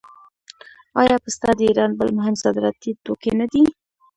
آیا پسته د ایران بل مهم صادراتي توکی نه دی؟